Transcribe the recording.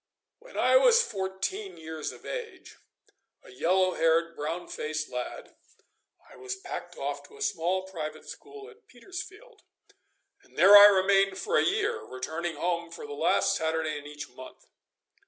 When I was fourteen years of age, a yellow haired, brown faced lad, I was packed off to a small private school at Petersfield, and there I remained for a year, returning home for the last Saturday in each month.